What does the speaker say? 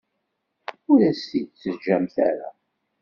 Ur as-t-id-teǧǧamt ara.